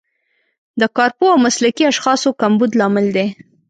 د کارپوه او مسلکي اشخاصو کمبود لامل دی.